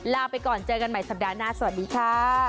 ลาไปก่อนเจอกันใหม่สัปดาห์หน้าสวัสดีค่ะ